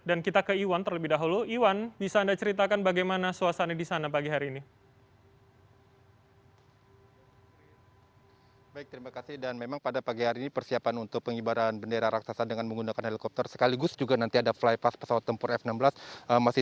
dan kita ke iwan terlebih dahulu iwan bisa anda ceritakan bagaimana suasana di sana pagi hari ini